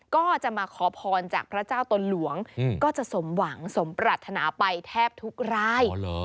ก็จะมาขอพรจากพระเจ้าตนหลวงก็จะสมหวังสมปรัฐนาไปแทบทุกราย